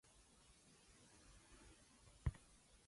Humour was evident in the names and acronyms of the organizations.